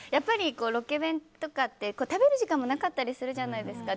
ロケ弁とかって食べる時間もなかったりするじゃないですか。